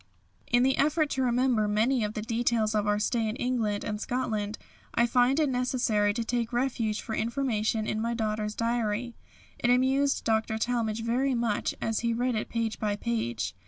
In the effort to remember many of the details of our stay in England and Scotland, I find it necessary to take refuge for information in my daughter's diary. It amused Dr. Talmage very much as he read it page by page.